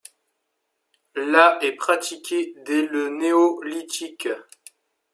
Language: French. La est pratiquée dès le Néolithique.